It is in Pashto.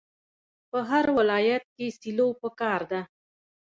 په هر ولایت کې سیلو پکار ده.